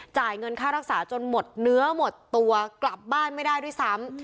จ่ายเงินค่ารักษาจนหมดเนื้อหมดตัวกลับบ้านไม่ได้ด้วยซ้ำ